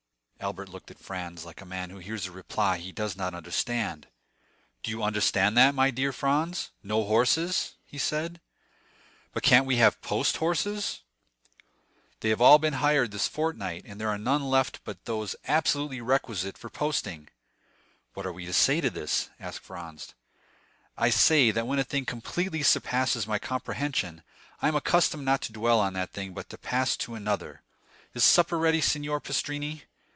Albert looked at Franz like a man who hears a reply he does not understand. "Do you understand that, my dear Franz—no horses?" he said, "but can't we have post horses?" "They have been all hired this fortnight, and there are none left but those absolutely requisite for posting." "What are we to say to this?" asked Franz. "I say, that when a thing completely surpasses my comprehension, I am accustomed not to dwell on that thing, but to pass to another. Is supper ready, Signor Pastrini?"